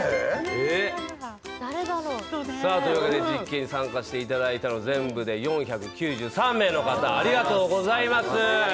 実験に参加していただいた全部で４９３名の方ありがとうございます。